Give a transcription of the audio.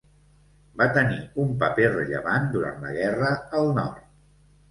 Va tenir un paper rellevant durant la guerra al Nord.